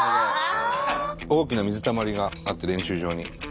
大きな水たまりがあって練習場に。